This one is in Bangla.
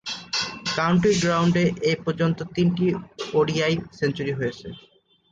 কাউন্টি গ্রাউন্ডে এ পর্যন্ত তিনটি ওডিআই সেঞ্চুরি হয়েছে।